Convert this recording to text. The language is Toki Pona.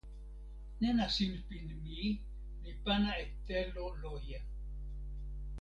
nena sinpin mi li pana e telo loje.